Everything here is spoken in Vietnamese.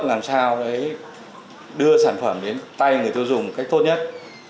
làm sao đấy đưa sản phẩm đến tay người tiêu dùng cách tốt nhất